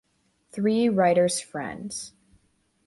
Three writers friends.